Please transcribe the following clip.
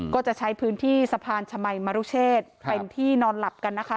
ก็จะใช้พื้นที่สะพานชมัยมรุเชษเป็นที่นอนหลับกันนะคะ